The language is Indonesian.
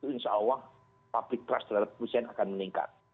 insya allah public trust terhadap perusahaan akan meningkat